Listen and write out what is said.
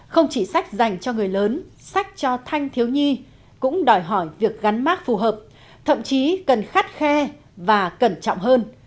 không chỉ sách dành cho người lớn sách cho thanh thiếu nhi cũng đòi hỏi việc gắn mát phù hợp thậm chí cần khắt khe và cẩn trọng hơn